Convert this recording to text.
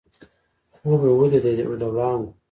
خوب مې ولیدی د وړانګو